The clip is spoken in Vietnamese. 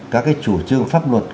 các cái chủ trương pháp luật